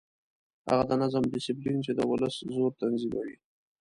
هغه نظم او ډسپلین چې د ولس زور تنظیموي.